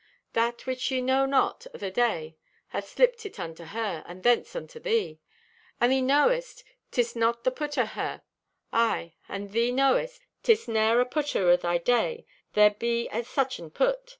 "That which ye know not o' thy day hath slipped it unto her, and thence unto thee. And thee knowest 'tis not the put o' her; aye, and thee knowest 'tis ne'er a putter o' thy day there be at such an put.